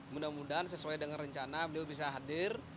mudah mudahan sesuai dengan rencana beliau bisa hadir